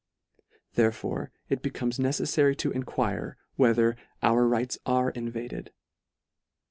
Therefore it becomes neceffary to enquire, whether " our rights are invaded."